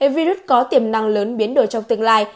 virus có tiềm năng lớn biến đổi trong tương lai